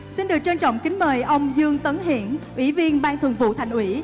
xin được trân trọng kính mời ông dương tấn hiển ủy viên ban thường vụ thành ủy